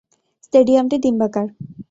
স্টেডিয়ামটি ডিম্বাকার।